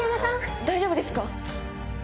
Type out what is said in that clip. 大丈夫ですか？